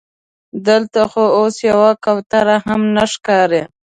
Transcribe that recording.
دلته خو اوس یوه کوتره هم نه ښکاري.